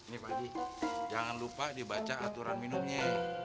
nih pak haji jangan lupa dibaca aturan minumnya